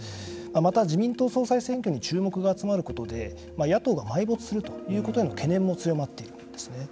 また、自民党総裁選挙に注目が集まることで野党が埋没するということへの懸念も強まっているんですね。